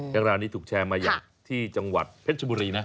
เรื่องราวนี้ถูกแชร์มาอย่างที่จังหวัดเพชรชบุรีนะ